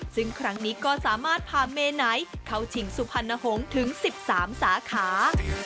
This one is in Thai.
ซึ่งครั้งนี้ก็สามารถพาเมไหนเข้าชิงสุพรรณหงษ์ถึง๑๓สาขา